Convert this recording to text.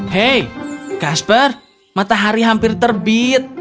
hei kasper matahari hampir terbit